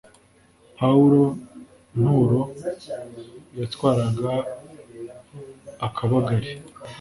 paulo nturo yatwaraga akabagari